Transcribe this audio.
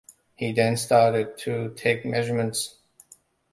He then started to take measurements.